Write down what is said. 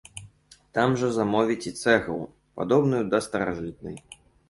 Там жа замовяць і цэглу, падобную да старажытнай.